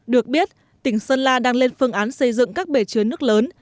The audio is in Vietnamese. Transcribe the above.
được biết tỉnh sơn la đang lên phương án xây dựng các bể chứa nước lớn